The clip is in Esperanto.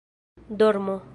dormo